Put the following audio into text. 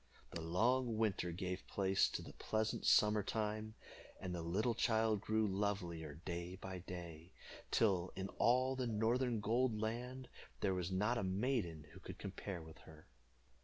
The long winter gave place to the pleasant summer time, and the little child grew lovelier day by day, till in all the northern gold land there was not a maiden who could compare with her.